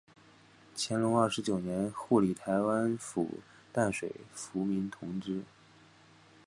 乾隆二十九年护理台湾府淡水抚民同知。